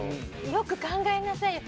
よく考えなさいよ。